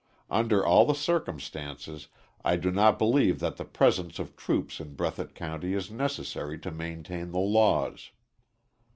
Under all the circumstances, I do not believe that the presence of troops in Breathitt County is necessary to maintain the laws.